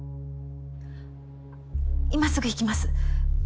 今すぐ行きます。